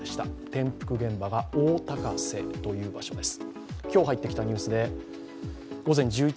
転覆現場は大高瀬というところです。